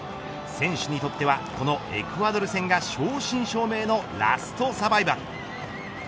選手にとっては、このエクアドル戦が正真正銘のラストサバイバル。